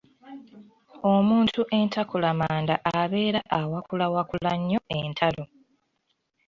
Omuntu entakulamanda abeera awakulawakula nnyo entalo.